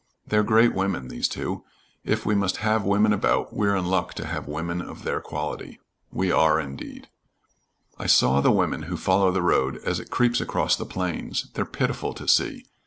They're great women, these two. If we must have women about, we're in luck to have women of their quality." "We are, indeed." "I saw the women who follow the road as it creeps across the plains. They're pitiful to see.